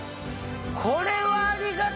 これはありがたい。